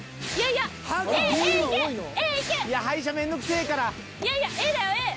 いやいやＡだよ